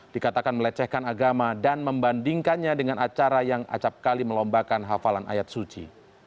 dikatakan melecehkan agama dan membandingkannya dengan acara yang acapkali melombakan hafalan ayat suci